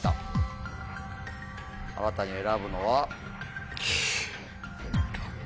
新たに選ぶのは。